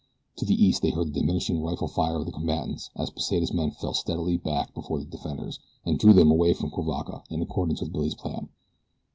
To the east they heard the diminishing rifle fire of the combatants as Pesita's men fell steadily back before the defenders, and drew them away from Cuivaca in accordance with Billy's plan.